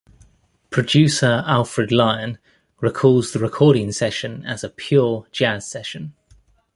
Producer Alfred Lion recalls the recording session as a "pure" jazz session.